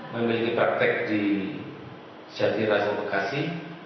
memiliki praktek di jati rasa bekasi